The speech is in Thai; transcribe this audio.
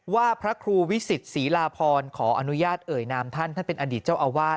ว่าพระครูวิสิตศรีลาพรขออนุญาตเอ่ยนามท่านท่านเป็นอดีตเจ้าอาวาส